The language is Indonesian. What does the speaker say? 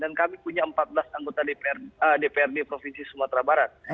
dan kami punya empat belas anggota dprd provinsi sumatera barat